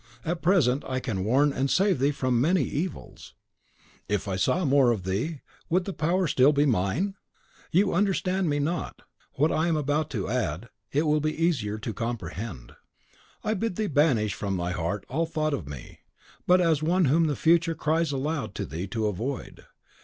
At present I can warn and save thee from many evils; if I saw more of thee, would the power still be mine? You understand me not. What I am about to add, it will be easier to comprehend. I bid thee banish from thy heart all thought of me, but as one whom the Future cries aloud to thee to avoid.